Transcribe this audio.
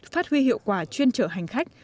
phát huy hiệu quả chuyên trợ hành khách